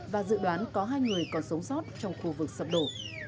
và dự đoán có hai người còn sống sót trong khu vực sập đổ